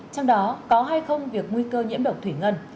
trong đó có hay không việc nguy cơ nhiễm độc thủy ngân